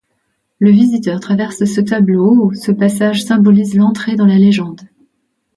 Le visiteur traverse ce tableau, ce passage symbolise l'entrée dans la légende.